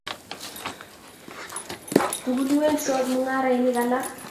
tukuliwensot mung'arenik alak